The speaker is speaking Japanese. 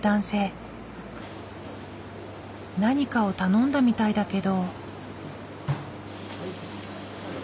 何かを頼んだみたいだけど。